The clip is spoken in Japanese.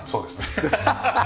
ハハハハ！